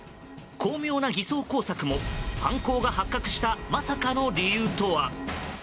巧妙な偽装工作も犯行が発覚したまさかの理由とは。